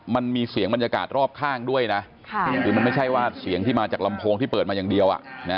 มันมีเสียงบรรยากาศรอบข้างด้วยนะคือมันไม่ใช่ว่าเสียงที่มาจากลำโพงที่เปิดมาอย่างเดียว